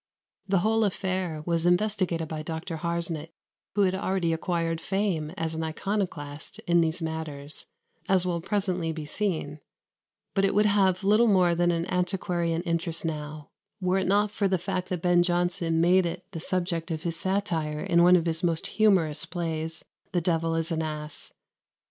The whole affair was investigated by Dr. Harsnet, who had already acquired fame as an iconoclast in these matters, as will presently be seen; but it would have little more than an antiquarian interest now, were it not for the fact that Ben Jonson made it the subject of his satire in one of his most humorous plays, "The Devil is an Ass."